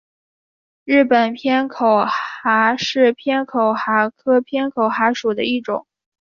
日本偏口蛤是偏口蛤科偏口蛤属的一种。